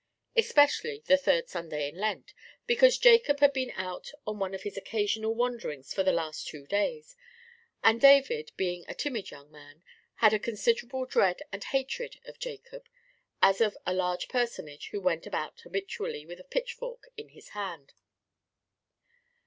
Especially the third Sunday in Lent; because Jacob had been out on one of his occasional wanderings for the last two days; and David, being a timid young man, had a considerable dread and hatred of Jacob, as of a large personage who went about habitually with a pitchfork in his hand.